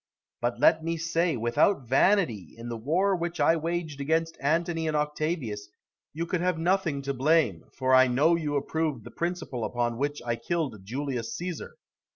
But let me say, without vanity, in the war which I waged against Antony and Octavius you could have nothing to blame, for I know you approved the principle upon which I killed Julius Caesar.